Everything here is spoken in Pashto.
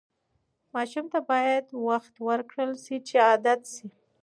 ماشوم ته باید وخت ورکړل شي چې عادت شي.